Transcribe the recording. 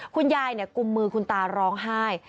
คุณยายกุมมือคุณตาร้องไห้